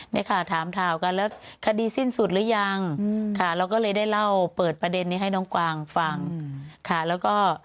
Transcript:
นี่ค่ะถามข่าวกันแล้วคดีสิ้นสุดหรือยังค่ะเราก็เลยได้เล่าเปิดประเด็นนี้ให้น้องกวางฟังค่ะแล้วก็